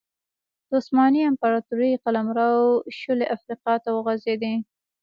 د عثماني امپراتورۍ قلمرو شولې افریقا ته وغځېد.